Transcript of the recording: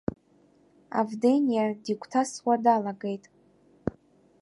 Авдениа дигәҭасуа далагеит.